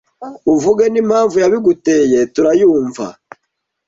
Uvuge nimpamvu yabiguteye turayumva